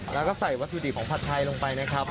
แล้วก็ใส่วัตถุดิบของผัดไทยลงไปนะครับ